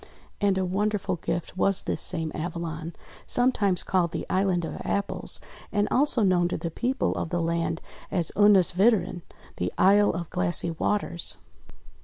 And a wonderful gift was this same Avalon, sometimes called the Island of Apples, and also known to the people of the land as Ynis witren, the Isle of Glassy Waters.